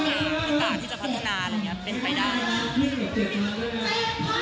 โอกาสที่จะพัฒนาอะไรอย่างนี้เป็นไปได้